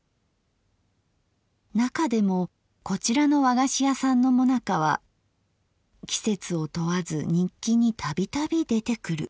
中でもこちらの和菓子屋さんのもなかは季節を問わず日記に度々出てくる。